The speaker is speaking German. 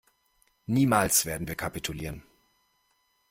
Niemals werden wir kapitulieren!